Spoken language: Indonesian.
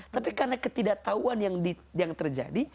tapi karena ketidaktahuan yang terjadi